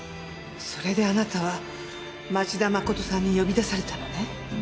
それであなたは町田誠さんに呼び出されたのね。